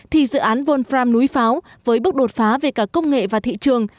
thì dự án volfram núi pháo với bước đột phá về cả công nghệ và thị trường